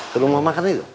keluar makan itu